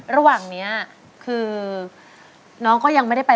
ระหว่างนี้คือน้องก็ยังไม่ได้ไป